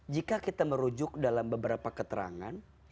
jika kita merujuk dalam beberapa keterangan